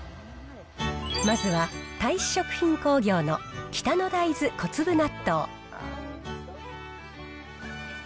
まずは太子食品工業の北の大豆小粒納豆。